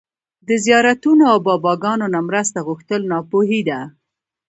د زيارتونو او باباګانو نه مرسته غوښتل ناپوهي ده